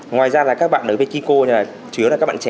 ngoài ra các bạn ở kíko thì chủ yếu các bạn trẻ